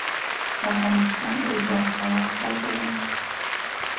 د افغانستان اوبه هوا پاکه ده